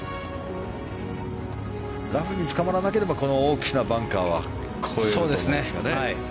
ラフにつかまらなければこの大きなバンカーは越えると思うんですが。